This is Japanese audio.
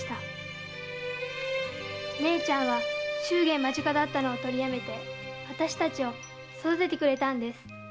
姉ちゃんは祝言が間近だったのを取りやめてあたしたちを育ててくれたんです。